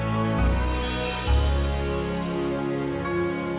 sampai jumpa lagi